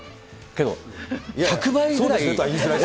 けど、１００倍ぐらい。